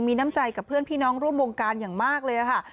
มีน้ำใจกับเพื่อนพี่น้องร่วมวงการอย่างมากเลยค่ะ